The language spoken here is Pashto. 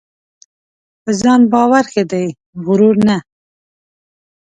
په ځان باور ښه دی ؛غرور نه .